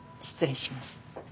失礼します。